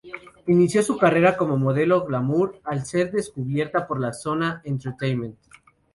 Inicio su carrera como modelo "glamour" al ser descubierta por "La Zona Entertainment".